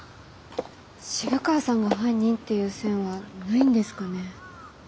渋川さんが犯人っていう線はないんですかね。